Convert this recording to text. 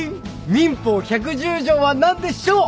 民法１１０条は何でしょう？